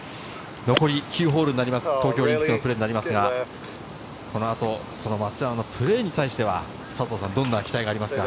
残り９ホールになります、東京オリンピックのプレーになりますが、この後、松山のプレーに対してはどんな期待がありますか？